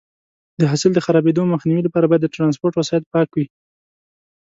د حاصل د خرابېدو مخنیوي لپاره باید د ټرانسپورټ وسایط پاک وي.